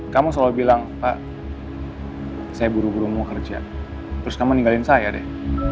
kamu selalu bilang pak saya buru buru mau kerja terus kamu ninggalin saya deh